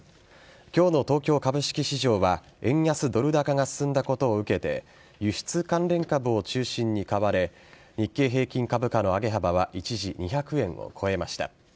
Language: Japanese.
今日の東京株式市場は円安ドル高が進んだことを受けて輸出関連株を中心に買われ日経平均株価の上げ幅は一時２００円を超えました。